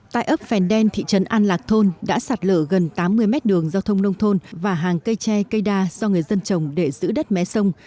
tại ấp phèn đen thị trấn an lạc thôn đã sạt lở gần tám mươi mét đường giao thông nông thôn và hàng cây tre cây đa do người dân trồng để giữ đất mé sông